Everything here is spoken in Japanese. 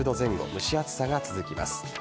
蒸し暑さが続きます。